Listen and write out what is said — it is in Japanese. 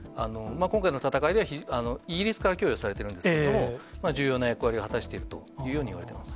今回の戦いでは、イギリスから供与されているんですけれども、重要な役割を果たしているというふうにいわれています。